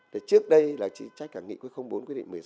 thì trước đây là chính sách là nghị quyết bốn quyết định một mươi sáu